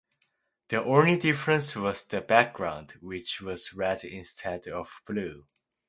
The only difference was the background, which was red instead of blue.